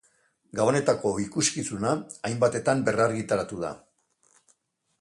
Gabonetako ikuskizuna hainbatetan berrargitaratu da.